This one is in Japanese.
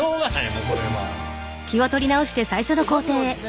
もうこれは。